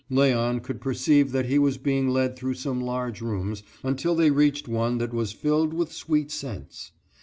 Léon could perceive that he was being led through some large rooms until they reached one that was filled with sweet scents.